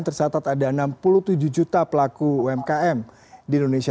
tersatat ada enam puluh tujuh juta pelaku umkm di indonesia